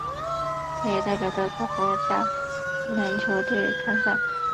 他也代表德国国家篮球队参赛。